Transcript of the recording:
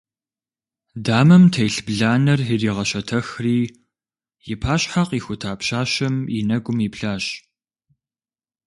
Дамэм телъ бланэр иригъэщэтэхри, и пащхьэ къихута пщащэм и нэгум иплъащ.